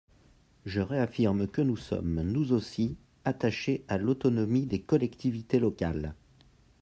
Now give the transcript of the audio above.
Je réaffirme que nous sommes, nous aussi, attachés à l’autonomie des collectivités locales.